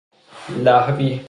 لهوی